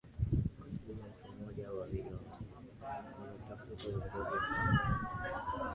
kwa sababu ya mtu mmoja au wawili wanotafuta uongozi hapana